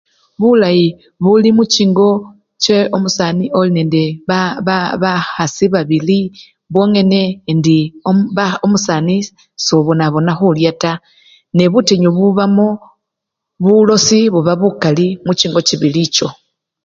Bulayi buli muchingo che omusani olinende ba! bakhasi babili, bongene indi ba! omusani sobonabona khulya taa, ne butinyu bubamo, bulosi buba bukali muchingo chibili echo.